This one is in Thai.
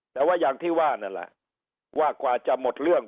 แต่ว่าอย่างที่ว่านั่นแหละว่ากว่าจะหมดเรื่อง